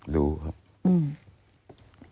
รู้ครับ